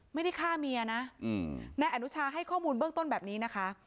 ไม่ได้ฆ่าเมียนะนายอนุชาให้ข้อมูลเบื้องต้นแบบนี้นะคะ